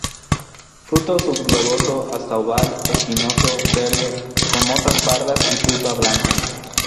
Fruto subgloboso hasta oval, espinoso, verde, con motas pardas y pulpa blanca.